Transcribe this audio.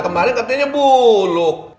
kemarin katanya buluk